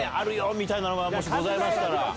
みたいなのがございましたら。